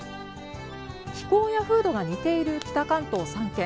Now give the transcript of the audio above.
気候や風土が似ている北関東３県。